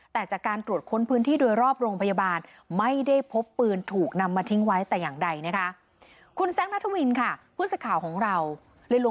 แต่จากการตรวจค้นพื้นที่โดยรอบโรงพยาบาล